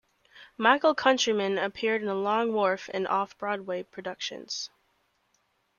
Michael Countryman appeared in the Long Wharf and Off-Broadway productions.